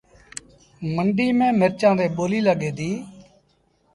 منڊيٚ ميݩ مرچآݩ تي ٻوليٚ لڳي ديٚ